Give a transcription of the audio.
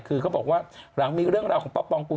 คือเขาบอกว่าหลังมีเรื่องราวของป้าปองปูน